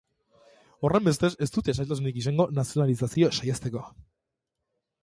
Horrenbestez, ez dute zailtasunik izango nazionalizazioa saihesteko.